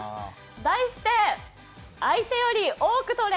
題して、相手より多く捕れ！